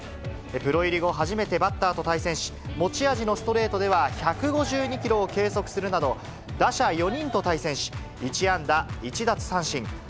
プロ入り後、初めてバッターと対戦し、持ち味のストレートでは１５２キロを計測するなど、打者４人と対戦し、１安打１奪三振。